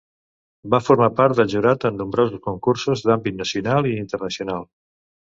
Va formar part del jurat en nombrosos concursos d'àmbit nacional i internacional.